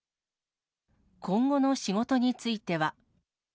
今後の仕事については。